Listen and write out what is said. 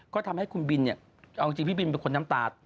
ก็ทำให้คุณบินเนี่ยเอาจริงพี่บินเป็นคนน้ำตา